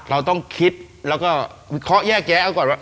เราต้องคิดแล้วก็วิเคราะห์แยกแยะเอาก่อนว่า